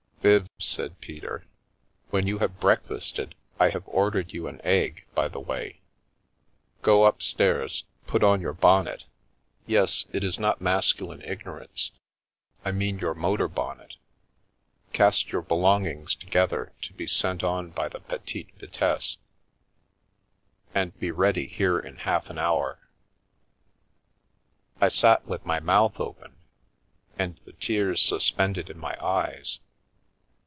" Viv," said Peter, " when you have breakfasted — I have ordered you an egg, by the way — go upstairs, put on your bonnet — yes, it is not masculine ignorance, I mean your motor bonnet, cast your belongings together, Via Amoris to be sent on by the Petite Vitesse, and be ready here in half an hour." I sat with my mouth open and the cears suspended in my eyes.